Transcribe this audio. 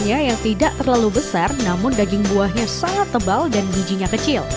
rasanya yang tidak terlalu besar namun daging buahnya sangat tebal dan bijinya kecil